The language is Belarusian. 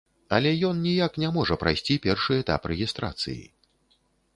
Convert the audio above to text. Але ён ніяк не можа прайсці першы этап рэгістрацыі.